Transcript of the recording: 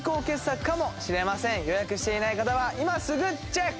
予約していない方は今すぐチェック！